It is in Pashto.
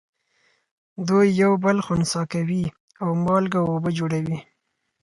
دوی یو بل خنثی کوي او مالګه او اوبه جوړوي.